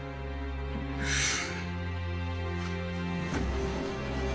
ふう。